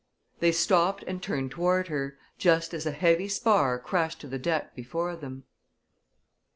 They stopped and turned toward her, just as a heavy spar crashed to the deck before them.